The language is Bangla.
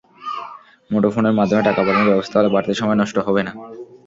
মুঠোফোনের মাধ্যমে টাকা পাঠানোর ব্যবস্থা হলে বাড়তি সময় নষ্ট হবে না।